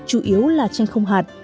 chủ yếu là chanh không hạt